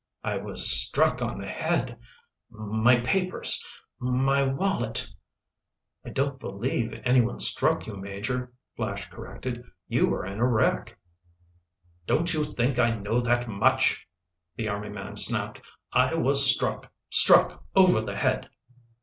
"I was struck on the head.... My papers ... my wallet!" "I don't believe anyone struck you, Major," Flash corrected. "You were in a wreck." "Don't you think I know that much!" the army man snapped. "I was struck—struck over the head."